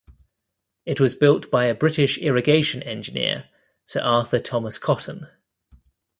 It was built by a British irrigation engineer, Sir Arthur Thomas Cotton.